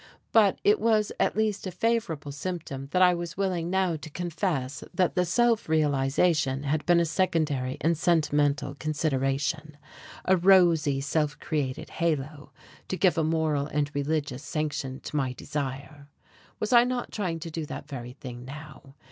But, it was at least a favourable symptom that I was willing now to confess that the "self realization" had been a secondary and sentimental consideration, a rosy, self created halo to give a moral and religious sanction to my desire. Was I not trying to do that very thing now?